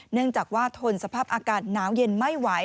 เนื่องจากว่าทนสภาพอากาศหนาวเย็นไม่ไหว